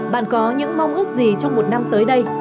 bạn có những mong ước gì trong một năm tới đây